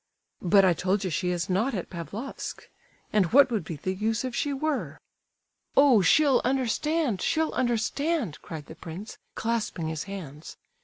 "But I told you she is not at Pavlofsk. And what would be the use if she were?" "Oh, she'll understand, she'll understand!" cried the prince, clasping his hands.